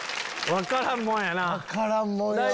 分からんもんやわ。